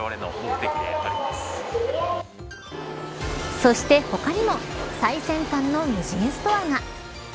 そして他にも最先端の無人ストアが。